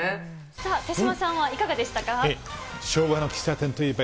さあ、手嶋さんはいかがでしたか。